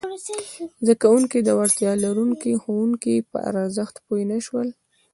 زده کوونکي د وړتیا لرونکي ښوونکي پر ارزښت پوه نه شول!